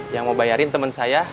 yang mau bayarin temen saya